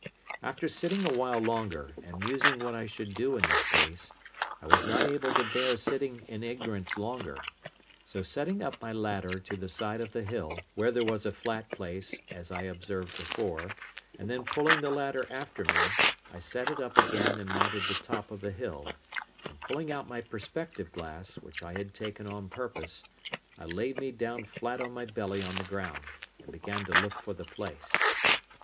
After sitting a while longer, and musing what I should do in this case, I was not able to bear sitting in ignorance longer; so setting up my ladder to the side of the hill, where there was a flat place, as I observed before, and then pulling the ladder after me, I set it up again and mounted the top of the hill, and pulling out my perspective glass, which I had taken on purpose, I laid me down flat on my belly on the ground, and began to look for the place.